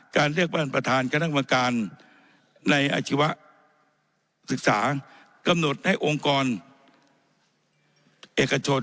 เรียกว่าประธานคณะกรรมการในอาชีวศึกษากำหนดให้องค์กรเอกชน